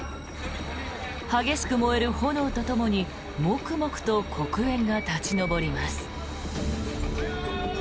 激しく燃える炎とともにモクモクと黒煙が立ち上ります。